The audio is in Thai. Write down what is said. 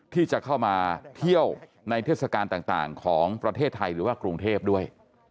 ที่จะเข้ามาเที่ยวในเทศกาลต่างของประเทศไทยหรือว่ากรุงเทพด้วย